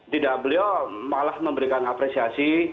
tidak beliau malah memberikan apresiasi